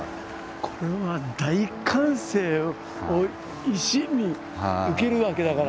これは大歓声を一身に受けるわけだから。